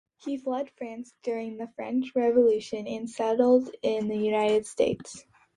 He fled France during the French Revolution and settled in the United States.